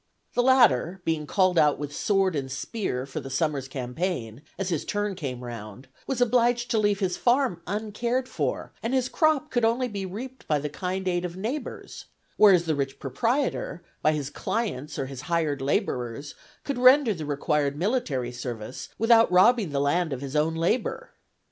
The latter, being called out with sword and spear for the summer's campaign, as his turn came round, was obliged to leave his farm uncared for, and his crop could only be reaped by the kind aid of neighbors; whereas the rich proprietor, by his clients or his hired laborers, could render the required military service without robbing his land of his own labor.